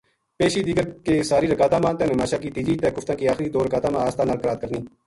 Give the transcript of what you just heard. پیشی، دیگر کی ساری رکاتاں ما تے نماشاں کی تیجی تے کفتاں کی آخری دو رکاتاں ما آہستہ نال قرات کرنی۔